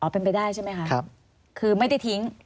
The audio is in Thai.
เป็นไปได้ใช่ไหมคะคือไม่ได้ทิ้ง